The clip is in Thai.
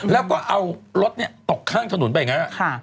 แล้วก็เอารถตกข้างถนนไปอย่างนั้น